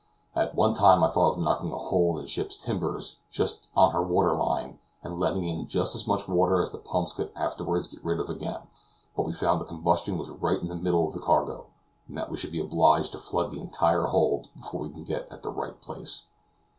At one time I thought of knocking a hole in the ship's timbers just on her water line, and letting in just as much water as the pumps could afterward get rid of again; but we found the combustion was right in the middle of the cargo and that we should be obliged to flood the entire hold before we could get at the right place.